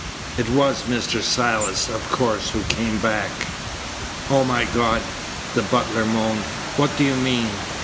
"It was Mr. Silas, of course, who came back?" "Oh my God!" the butler moaned, "What do you mean?"